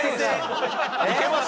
いけます？